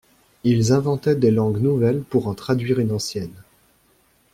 Ils inventaient des langues nouvelles pour en traduire une ancienne.